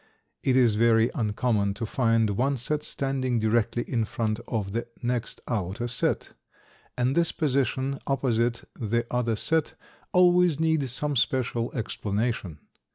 It is very uncommon to find one set standing directly in front of the next outer set, and this position opposite the other set always needs some special explanation.